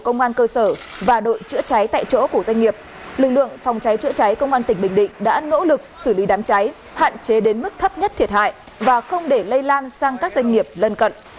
cảnh sát phòng cháy chữa cháy công an tỉnh bình định đã nỗ lực xử lý đám cháy hạn chế đến mức thấp nhất thiệt hại và không để lây lan sang các doanh nghiệp lân cận